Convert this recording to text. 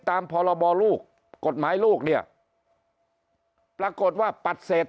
ตามพรบลูกกฎหมายลูกเนี่ยปรากฏว่าปัดเศษ